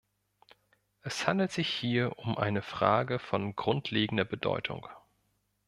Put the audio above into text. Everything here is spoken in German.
Es handelt sich hier um eine Frage von grundlegender Bedeutung.